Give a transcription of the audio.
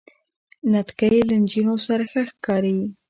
نتکۍ له نجونو سره ښه ښکاری.